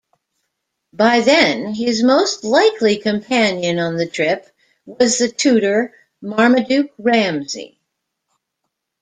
By then his most likely companion on the trip was the tutor Marmaduke Ramsay.